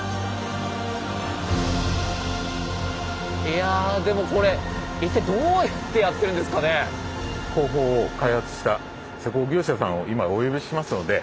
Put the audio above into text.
いやでもこれ一体どうやってやってるんですかね？工法を開発した施工業者さんを今お呼びしますので。